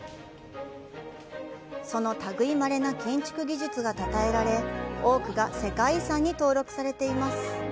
その類いまれな建築技術が称えられ、多くが世界遺産に登録されています。